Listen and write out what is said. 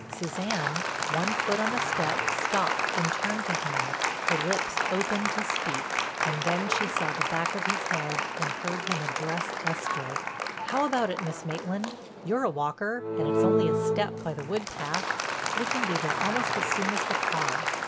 Suzanne, one foot on the step, stopped and turned to him. Her lips opened to speak, and then she saw the back of his head and heard him address Esther: "How about it, Miss Maitland? You're a walker, and it's only a step by the wood path. We can be there almost as soon as the car."